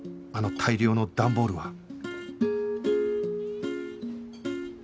あの大量のダンボールは